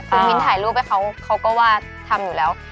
คือมินถ่ายรูปเขาก็ว่าทำอยู่แล้ว